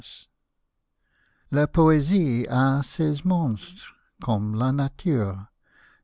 La Po^sie a ses monstres comme la nature."